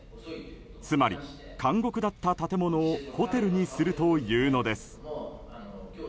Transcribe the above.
つまり、監獄だった建物をホテルにするというのです。